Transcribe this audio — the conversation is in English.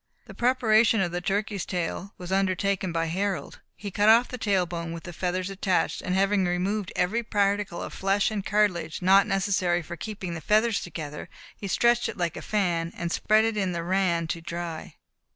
The preparation of the turkey's tail was undertaken by Harold. He cut off the tail bone, with the feathers attached, and having removed every particle of flesh and cartilage not necessary for keeping the feathers together, he stretched it like a fan, and spread it in the ran to dry.